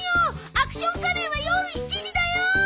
『アクション仮面』はよる７時だよー！